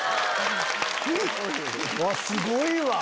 うわっすごいわ。